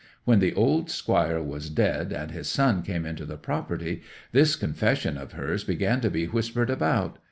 When the old Squire was dead, and his son came into the property, this confession of hers began to be whispered about.